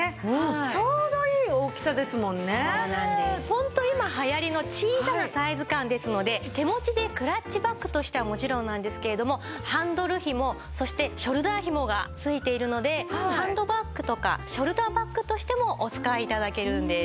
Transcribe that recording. ホント今流行りの小さなサイズ感ですので手持ちでクラッチバッグとしてはもちろんなんですけれどもハンドルひもそしてショルダーひもが付いているのでハンドバッグとかショルダーバッグとしてもお使い頂けるんです。